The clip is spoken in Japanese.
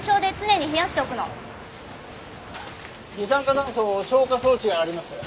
二酸化炭素消火装置があります。